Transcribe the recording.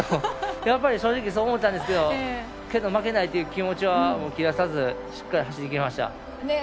やっぱり正直そう思ったんですけどけど、負けないという気持ちは切らさずしっかり走り切りました。